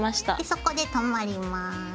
そこで留まります。